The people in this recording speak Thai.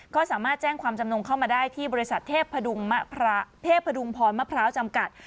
ก็สามารถแจ้งความจำนงเข้ามาได้ที่บริษัทเทพดุงพรมะพร้าวจำกัด